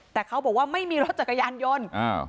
แต่เขาบอกว่าไม่มีรถจักรยานยนต์